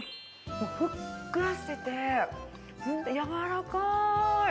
ふっくらしてて、やわらかい。